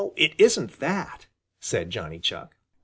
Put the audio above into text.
"It isn't that," said Johnny Chuck.